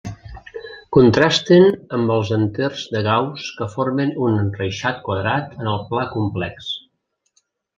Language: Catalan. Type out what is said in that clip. Contrasten amb els enters de Gauss que formen un enreixat quadrat en el pla complex.